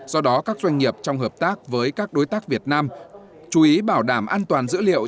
do đó các doanh nghiệp trong hợp tác với các đối tác việt nam chú ý bảo đảm an toàn dữ liệu